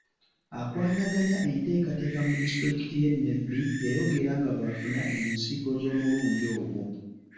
Akwanaganya enteekateeka mu disitulikiti y'e Nebbi yayogera nga bw'afuna ensigo z'omulundi ogwo.